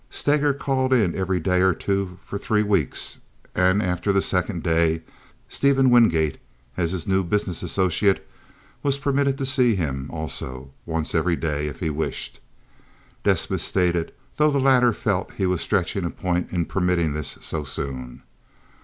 Steger called in every day for two or three weeks, and after the second day, Stephen Wingate, as his new business associate, was permitted to see him also—once every day, if he wished, Desmas stated, though the latter felt he was stretching a point in permitting this so soon.